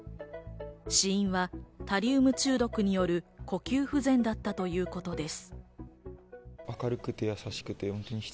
死因はタリウム中毒による呼吸不全だったということです。